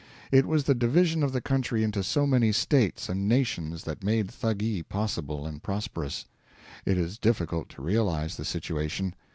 It was the division of the country into so many States and nations that made Thuggee possible and prosperous. It is difficult to realize the situation.